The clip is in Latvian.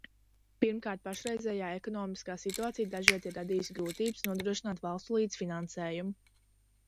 Pirmkārt, pašreizējā ekonomiskā situācija dažviet ir radījusi grūtības nodrošināt valstu līdzfinansējumu.